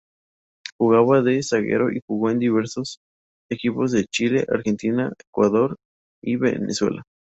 Jugaba de zaguero y jugó en diversos equipos de Chile, Argentina, Ecuador y Venezuela.